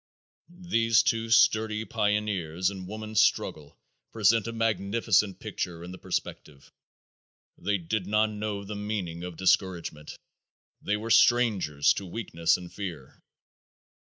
These two sturdy pioneers in woman's struggle present a magnificent picture in the perspective. They did not know the meaning of discouragement. They were strangers to weakness and fear.